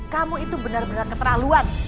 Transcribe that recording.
kamu itu benar benar keterlaluan